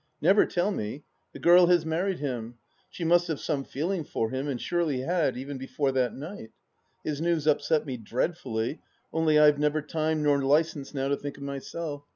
Never tell me I The girl has married him ; she must have some feeling for him, and surely had, even before that night ! His news upset me dreadfully, only I have never time or licence now to think of myself.